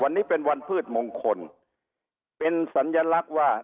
วันนี้เป็นวันพืชมงคลเป็นสัญลักษณ์ว่า